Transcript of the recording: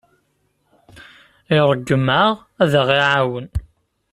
Iṛeggem-aɣ ad aɣ-iɛawen.